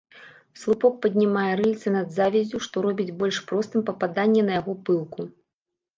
Слупок паднімае рыльца над завяззю, што робіць больш простым пападанне на яго пылку.